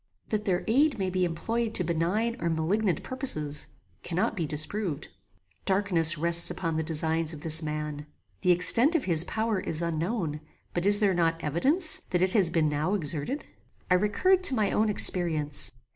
That their aid may be employed to benign or malignant purposes, cannot be disproved. Darkness rests upon the designs of this man. The extent of his power is unknown; but is there not evidence that it has been now exerted? I recurred to my own experience.